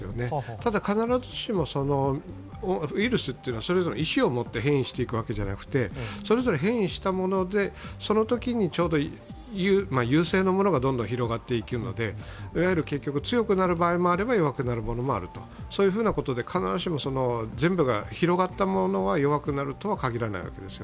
ただ、必ずしもウイルスはそれぞれ意思を持って変異していくわけじゃなくてそれぞれ変異したもので、そのときにちょうど優生のものがどんどん広がっていくので結局、強くなる場合もあれば弱くなるものもあるということで必ずしも全部が広がったものが弱くなるとは限らないわけです。